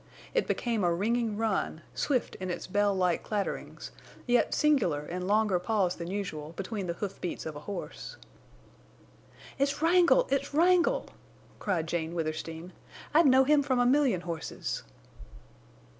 It became a ringing run—swift in its bell like clatterings, yet singular in longer pause than usual between the hoofbeats of a horse. "It's Wrangle!... It's Wrangle!" cried Jane Withersteen. "I'd know him from a million horses!"